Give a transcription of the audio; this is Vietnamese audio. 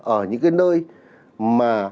ở những cái nơi mà